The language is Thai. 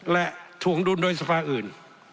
และถวงดุลโดยสภาอื่น